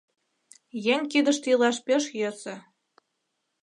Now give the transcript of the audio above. Еҥ кидыште илаш пеш йӧсӧ.